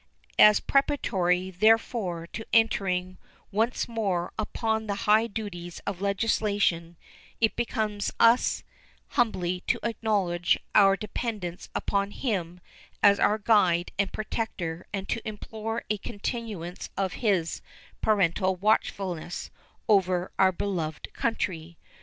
As preparatory, therefore, to entering once more upon the high duties of legislation, it becomes us humbly to acknowledge our dependence upon Him as our guide and protector and to implore a continuance of His parental watchfulness over our beloved country.